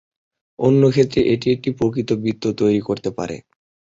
অন্য ক্ষেত্রে এটি একটি প্রকৃত বৃত্ত তৈরি করতে পারে।